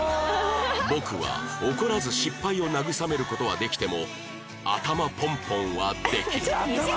僕は怒らず失敗を慰める事はできても頭ポンポンはできない